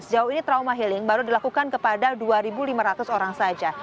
sejauh ini trauma healing baru dilakukan kepada dua lima ratus orang saja